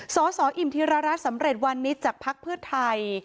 สสอิ่มธิรรัฐสำเร็จวันนี้จากภักดิ์เพื่อไทย